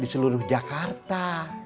di seluruh jakarta